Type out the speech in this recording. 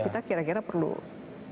kita kira kira perlu apa lagi